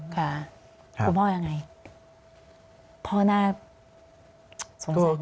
คุณพ่อยังไงพ่อน่าสงสัยมาก